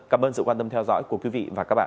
cảm ơn sự quan tâm theo dõi của quý vị và các bạn